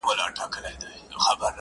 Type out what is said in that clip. چي د وخت له تاریکیو را بهر سي,